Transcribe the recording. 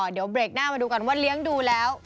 เดี๋ยวเบรกหน้ามาดูกันว่าเลี้ยงดูแล้ว